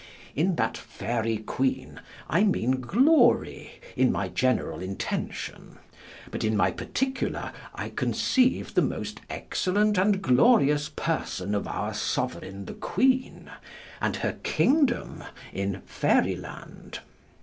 In that Faery Queene I meane glory in my generall intention, but in my particular I conceive the most excellent and glorious person of our soveraine the Queene, and her kingdome in Faery Land.